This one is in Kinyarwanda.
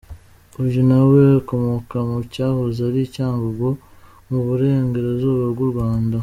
Uyu nawe, akomoka mu cyahoze ari Cyangugu mu burengerazuba bw’u Rwanda.